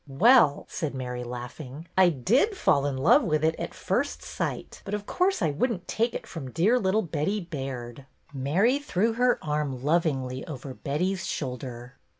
Well," said Mary, laughing, '' I did fall in love with it at first sight, but of course I would n't take it from dear little Betty Baird." Mary threw her arm lovingly over Betty's shoulder.